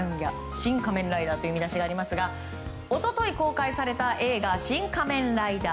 「シン・仮面ライダー」という見出しがありますが一昨日公開された映画「シン・仮面ライダー」。